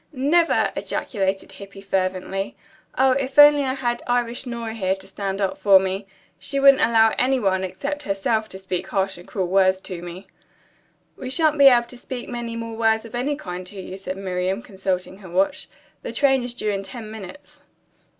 "Never!" ejaculated Hippy fervently. "Oh, if I only had Irish Nora here to stand up for me! She wouldn't allow any one, except herself, to speak harsh and cruel words to me." "We shan't be able to speak many more words of any kind to you," said Miriam, consulting her watch. "The train is due in ten minutes."